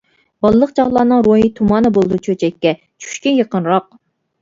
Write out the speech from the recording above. بالىلىق چاغلارنىڭ روھى تۇمانى بولىدۇ چۆچەككە، چۈشكە يېقىنراق.